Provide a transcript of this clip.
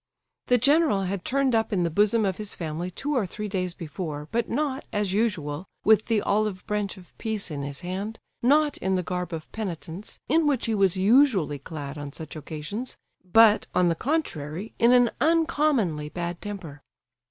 The general had turned up in the bosom of his family two or three days before, but not, as usual, with the olive branch of peace in his hand, not in the garb of penitence—in which he was usually clad on such occasions—but, on the contrary, in an uncommonly bad temper.